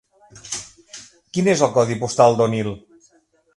Quin és el codi postal d'Onil?